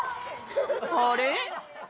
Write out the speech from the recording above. あれ？